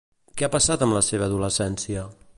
Què ha passat amb la seva adolescència?